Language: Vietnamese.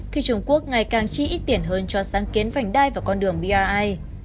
khi trung quốc ngày càng chi ít tiền hơn cho sáng kiến vành đai vào con đường bri